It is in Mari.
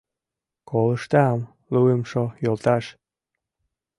— Колыштам, Луымшо йолташ?